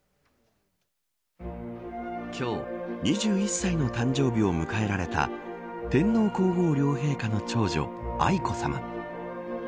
今日２１歳の誕生日を迎えられた天皇皇后両陛下の長女愛子さま。